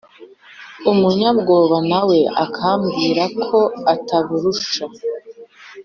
umunyabwoba nawe akababwira ko atabarusha